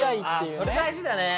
ああそれ大事だね。